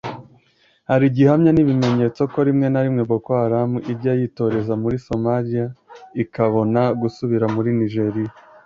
Hari gihamya n’ibimenyetso ko rimwe na rimwe Boko Haram ijya yitoreza muri Somalia ikabona gusubira muri Nigeria